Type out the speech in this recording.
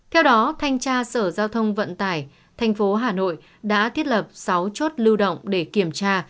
theo đó thanh tra sở giao thông vận tải tp hà nội đã thiết lập sáu chốt lưu động để kiểm tra